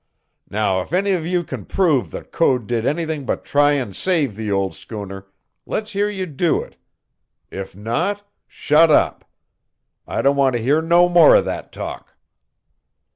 Now, if any of you can prove that Code did anything but try and save the old schooner, let's hear you do it. If not, shut up! I don't want to hear no more of that talk."